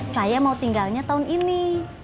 saya mau tinggalnya tahun ini